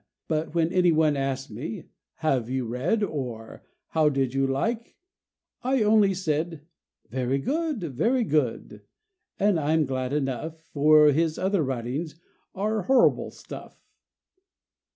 But when any one asked me[A]: "Have you read?" Or: "How do you like?" I[A] only said: "Very good, very good! and I'm glad enough; For his other writings are horrible stuff."